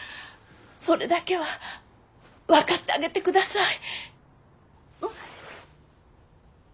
それだけは分かってあげてください。